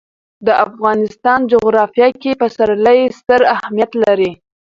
د افغانستان جغرافیه کې پسرلی ستر اهمیت لري.